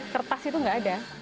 kertas itu nggak ada